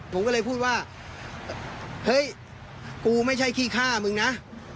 ผมก็เลยพูดว่าเฮ้ยกูไม่ใช่ขี้ฆ่ามึงนะ